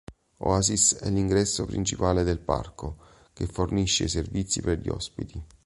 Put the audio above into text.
Oasis è l'ingresso principale del parco, che fornisce i servizi per gli ospiti.